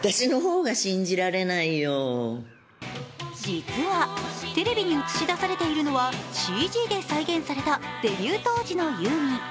実はテレビに映し出されているのはＣＧで再現されたデビュー当時のユーミン。